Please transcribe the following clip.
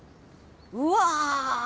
うわ。